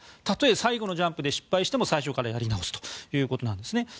例え最後のジャンプで失敗しても最初からやり直すということなんですね。